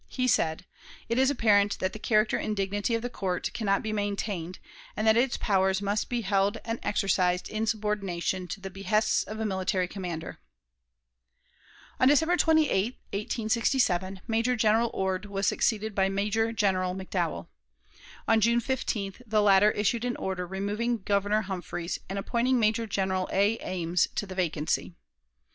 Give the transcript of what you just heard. He said: "It is apparent that the character and dignity of the Court can not be maintained, and that its powers must be held and exercised in subordination to the behests of a military commander." On December 28, 1867, Major General Ord was succeeded by Major General McDowell. On June 15th the latter issued an order removing Governor Humphreys and appointing Major General A. Ames to the vacancy.